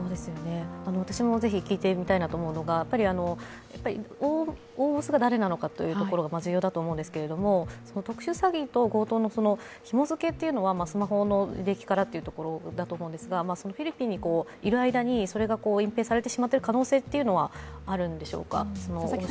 私もぜひ聞いてみたいなと思うのが、大ボスが誰なのかというところが重要だと思うんですけど特殊詐欺と強盗のひも付けというのはスマホの履歴からだと思うんですがフィリピンにいる間にそれが隠蔽されてしまっている可能性はあるんでしょうか？